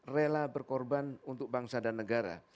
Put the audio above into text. rela berkorban untuk bangsa dan negara